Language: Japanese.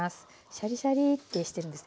シャリシャリってしてるんです。